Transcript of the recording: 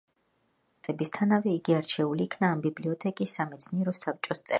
დაარსებისთანავე იგი არჩეულ იქნა ამ ბიბლიოთეკის სამეცნიერო საბჭოს წევრად.